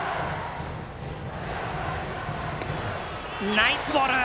ナイスボール！